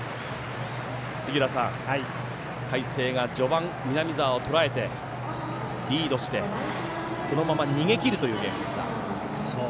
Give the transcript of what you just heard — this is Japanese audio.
杉浦さん、海星が序盤南澤をとらえて、リードしてそのまま逃げ切るというゲームでした。